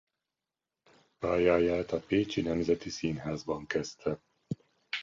Pályáját a Pécsi Nemzeti Színházban kezdte.